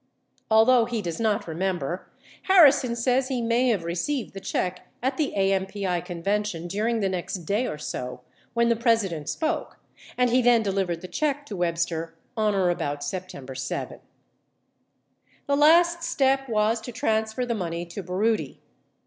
Although he does not remember, Harrison says he may have received the check at the AMPI Convention 79 during the next day or so — when the President spoke — and he then delivered the check to Webster on or about September 7. 80 The last step was to transfer the money to Baroody.